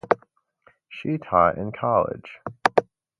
She taught in college.